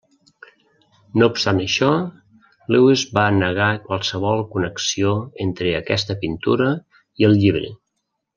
No obstant això, Lewis va negar qualsevol connexió entre aquesta pintura i el llibre.